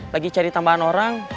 lagi cari tambahan orang